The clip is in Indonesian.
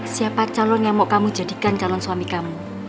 siapa calon yang mau kamu jadikan calon suami kamu